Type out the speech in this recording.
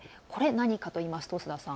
これ、何かといいますと。